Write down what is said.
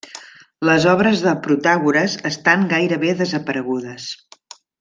Les obres de Protàgores estan gairebé desaparegudes.